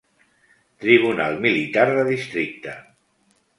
Tribunal Militar de Districte.